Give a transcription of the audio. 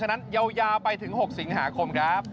ฉะนั้นยาวไปถึง๖สิงหาคมครับ